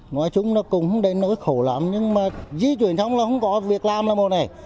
ngoài chúng nó cũng đến nỗi khổ lắm nhưng mà di chuyển xong là không có việc làm là một này